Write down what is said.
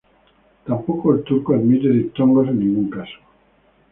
Tampoco el turco admite diptongos en ningún caso.